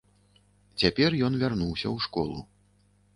Цяпер ён вярнуўся ў школу.